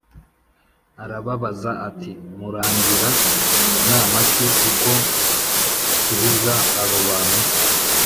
arababaza ati “Murangira nama ki, uko nsubiza abo bantu?”